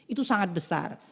itu sangat besar